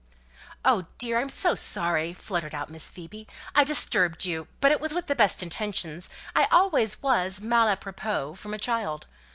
"Oh dear! I am so sorry," fluttered out Miss Phoebe, "I disturbed you; but it was with the best intentions. I always was mal łpropos from a child."